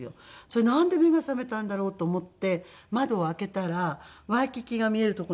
それなんで目が覚めたんだろうと思って窓を開けたらワイキキが見える所なんですけど。